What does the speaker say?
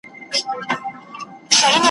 چي اسمان ته پورته کېږي له غروره ,